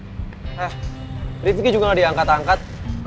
eh rivki juga gak diangkat angkat